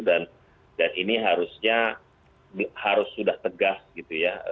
dan ini harusnya harus sudah tegas gitu ya